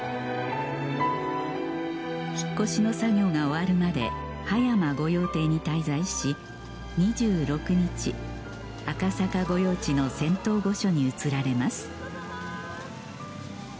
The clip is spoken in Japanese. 引っ越しの作業が終わるまで葉山御用邸に滞在し２６日赤坂御用地の仙洞御所に移られます